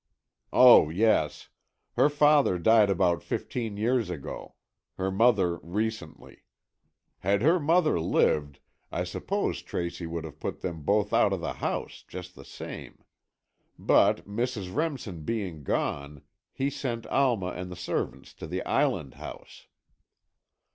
"Oh, yes. Her father died about fifteen years ago. Her mother recently. Had her mother lived, I suppose Tracy would have put them both out of the house, just the same. But Mrs. Remsen being gone, he sent Alma and the servants to the island house."